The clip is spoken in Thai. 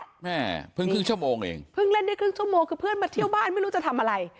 แม่เพิ่งครึ่งชั่วโมงเองเพิ่งเล่นได้ครึ่งชั่วโมงคือเพื่อนมาเที่ยวบ้านไม่รู้จะทำอะไร